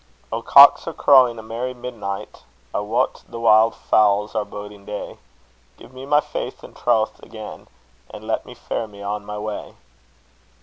O, cocks are crowing a merry midnight, I wot the wild fowls are boding day; Give me my faith and troth again, And let me fare me on my way.